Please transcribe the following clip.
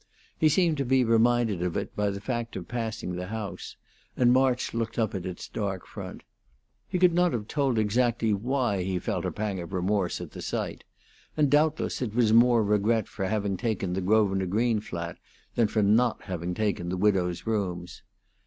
He seemed to be reminded of it by the fact of passing the house, and March looked up at its dark front. He could not have told exactly why he felt a pang of remorse at the sight, and doubtless it was more regret for having taken the Grosvenor Green flat than for not having taken the widow's rooms.